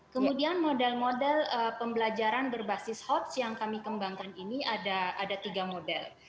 kemudian model model pembelajaran berbasis hots yang kami kembangkan ini ada tiga model